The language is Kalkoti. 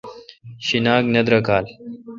شیناک نہ درکالہ